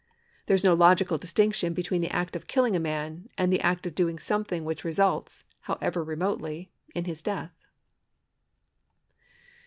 There is no logical distinction between the act of killing a man and the act of doing some tliing which results (however remotely) in his death.